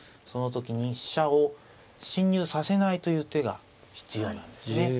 その時に飛車を侵入させないという手が必要なんですね。